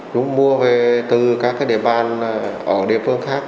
chúng mua về từ các địa phương khác